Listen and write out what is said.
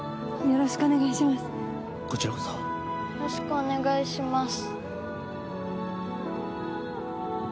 よろしくお願いします。